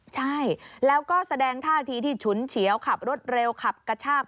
ใช่แล้วก็แสดงท่าทีที่ฉุนเฉียวขับรถเร็วขับกระชาก